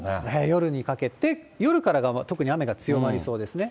夜にかけて、夜からが特に雨が強まりそうですね。